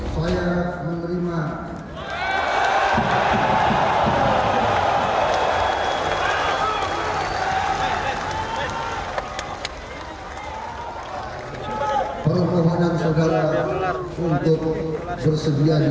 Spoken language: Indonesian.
para pemerintah saudara untuk bersedia dijawabkan sebagai calon presiden